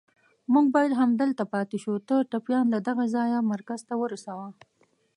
چې موږ باید همدلته پاتې شو، ته ټپيان له دغه ځایه مرکز ته ورسوه.